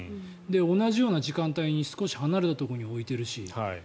同じような時間帯に少し離れたところに置いているし。